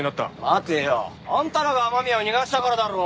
待てよ。あんたらが雨宮を逃がしたからだろ！